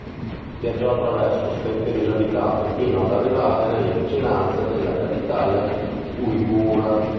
Viaggiò attraverso steppe disabitate fino ad arrivare nelle vicinanze della capitale uigura.